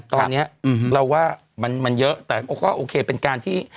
ตอนเนี้ยอื้อหือเราว่ามันมันเยอะแต่ก็โอเคเป็นการที่